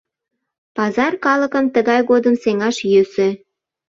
Пазар калыкым тыгай годым сеҥаш йӧсӧ.